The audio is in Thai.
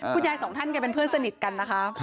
คุณยายสองท่านกันเป็นเพื่อนสนิทกันนะคะ